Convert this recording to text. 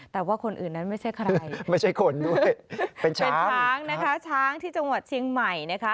แต่ว่าคนอื่นนั้นไม่ใช่ใครเป็นช้างนะคะช้างที่จังหวัดเชียงใหม่นะคะ